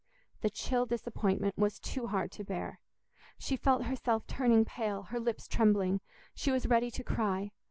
The chill disappointment was too hard to bear. She felt herself turning pale, her lips trembling; she was ready to cry.